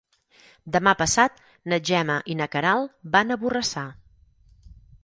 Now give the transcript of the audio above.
Demà passat na Gemma i na Queralt van a Borrassà.